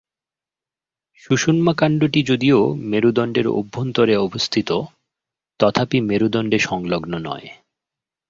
সুষুম্নাকাণ্ডটি যদিও মেরুদণ্ডের অভ্যন্তরে অবস্থিত তথাপি মেরুদণ্ডে সংলগ্ন নয়।